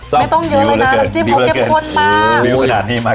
ไม่ต้องเยอะเลยนะน้ำจิ้มของเก็บคนมา